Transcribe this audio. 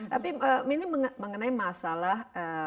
tapi ini mengenai masalah